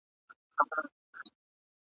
حاجي مریم اکا معلومات راته راکوي.